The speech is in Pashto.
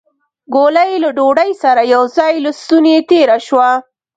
ګولۍ له ډوډۍ سره يو ځای له ستونې تېره شوه.